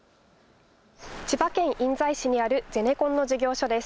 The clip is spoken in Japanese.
千葉県印西市にあるゼネコンの事業所です。